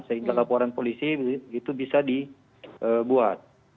sehingga laporan polisi itu bisa dibuat